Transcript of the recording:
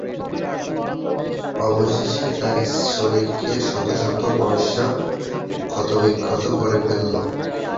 অবশেষে তাঁর শরীরকে শত শত বর্শা ক্ষতবিক্ষত করে ফেলল।